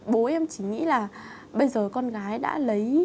bố em chỉ nghĩ là bây giờ con gái đã lấy